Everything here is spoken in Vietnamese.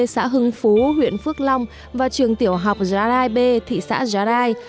xã hưng phú huyện phước long và trường tiểu học già đai b thị xã già đai